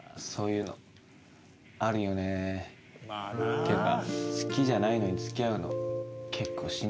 っていうか。